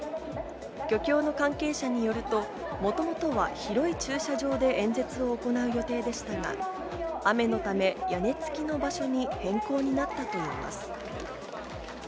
漁協の関係者によると、もともとは広い駐車場で演説を行う予定でしたが、雨のため屋根付きの場所に変更になったといいます。